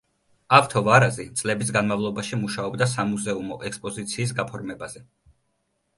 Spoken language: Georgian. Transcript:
ავთო ვარაზი წლების განმავლობაში მუშაობდა სამუზეუმო ექსპოზიციის გაფორმებაზე.